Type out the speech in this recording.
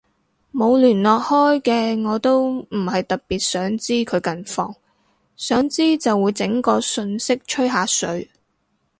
冇聯絡開嘅我都唔係特別想知佢近況，想知就會整個訊息吹下水